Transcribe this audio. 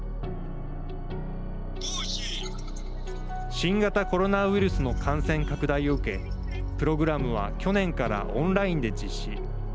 新型コロナウイルスの感染拡大を受けプログラムは去年からオンラインで実施。